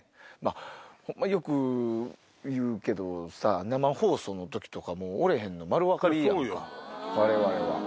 ホンマよく言うけどさ生放送の時とかおれへんの丸分かりやんわれわれは。